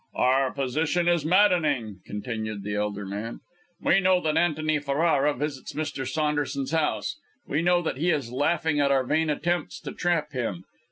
"Our position is maddening," continued the elder man. "We know that Antony Ferrara visits Mr. Saunderson's house; we know that he is laughing at our vain attempts to trap him.